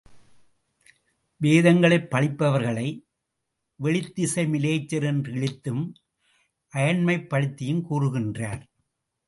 வேதங்களைப் பழிப்பவர்களை வெளித்திசை மிலேச்சர் என்று இழித்தும் அயன்மைப்படுத்தியும் கூறுகின்றார்.